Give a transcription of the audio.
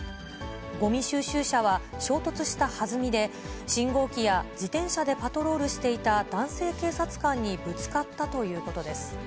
ごみ収集車は衝突したはずみで、信号機や自転車でパトロールしていた男性警察官にぶつかったということです。